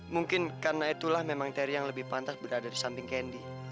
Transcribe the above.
mungkin karena itulah memang teri yang lebih pantas berada di samping kendi